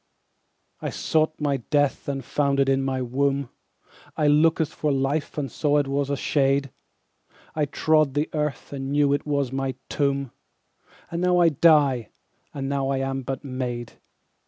13I sought my death and found it in my womb,14I lookt for life and saw it was a shade,15I trode the earth and knew it was my tomb,16And now I die, and now I am but made.